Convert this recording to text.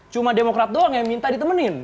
cuma demokrat doang yang minta ditemenin